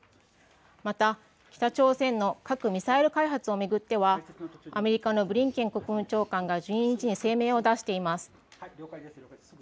また北朝鮮の核・ミサイル開発を巡ってはアメリカのブリンケン国務長官が声明を出しています。